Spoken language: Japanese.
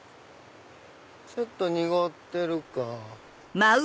ちょっと濁ってるか。